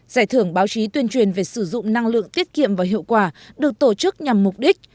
giải thưởng báo chí tuyên truyền về sử dụng năng lượng tiết kiệm và hiệu quả được tổ chức nhằm mục đích